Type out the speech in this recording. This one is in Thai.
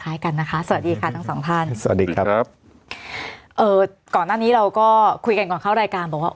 กันนะคะสวัสดีค่ะทั้งสองท่านสวัสดีครับครับเอ่อก่อนหน้านี้เราก็คุยกันก่อนเข้ารายการบอกว่า